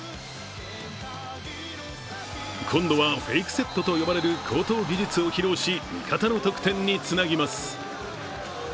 今度はフェイクセットと呼ばれる高等技術を披露し味方の得点につなぎます。